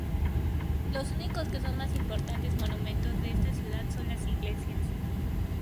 Los únicos que son más importantes monumentos de esta ciudad son las iglesias.